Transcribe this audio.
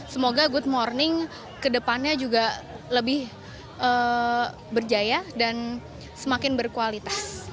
semoga good morning ke depannya juga lebih berjaya dan semakin berkualitas